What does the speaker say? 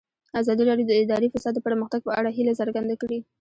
ازادي راډیو د اداري فساد د پرمختګ په اړه هیله څرګنده کړې.